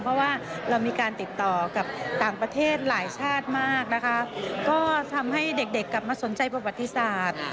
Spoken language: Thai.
เพราะว่าเรามีการติดต่อกับต่างประเทศหลายชาติมากนะคะก็ทำให้เด็กเด็กกลับมาสนใจประวัติศาสตร์